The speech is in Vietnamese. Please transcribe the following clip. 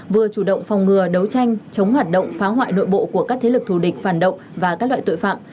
vừa chủ động phòng ngừa đấu tranh chống hoạt động phá hoại nội bộ của các thế lực thù địch phản động và các loại tội phạm